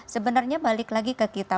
sebenarnya balik lagi ke kita